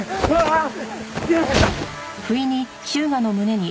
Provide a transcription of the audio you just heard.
あっ！